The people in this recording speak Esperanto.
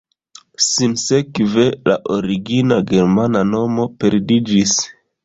Sinsekve la origina germana nomo perdiĝis.